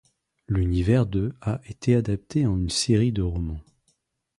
L’univers de a été adapté en une série de romans.